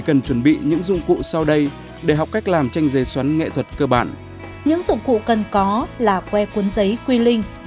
với nhiều người tranh xấy xoắn nghệ thuật đã không còn là điều quá mới mẻ